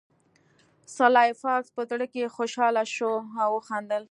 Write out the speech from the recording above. سلای فاکس په زړه کې خوشحاله شو او وخندل